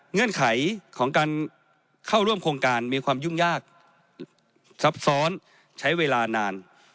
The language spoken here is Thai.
เงื่อนไขของการเข้าร่วมโครงการมีความยุ่งยากซับซ้อนใช้เวลานาน